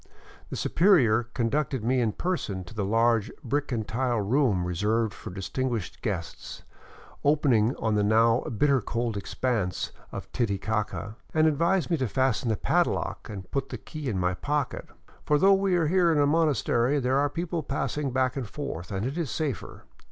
The superior conducted me in person to the large brick and tile room reserved for distinguished guests, opening on the now bitter cold expanse of Titicaca, and advised me to fasten the padlock and put the key in my pocket, " for though we are here in a monastery, there are people passing back and forth, and it is safer.